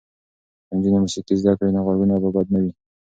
که نجونې موسیقي زده کړي نو غږونه به بد نه وي.